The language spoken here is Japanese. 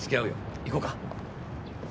行こうか？